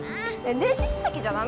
電子書籍じゃダメなの？